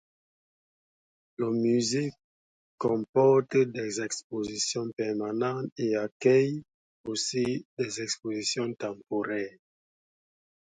Le musée comporte des expositions permanentes et accueille aussi des expositions temporaires.